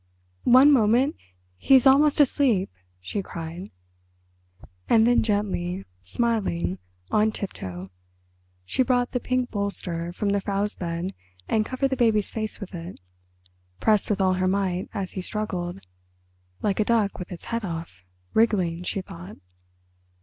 "One moment—he is almost asleep," she cried. And then gently, smiling, on tiptoe, she brought the pink bolster from the Frau's bed and covered the baby's face with it, pressed with all her might as he struggled, "like a duck with its head off, wriggling", she thought.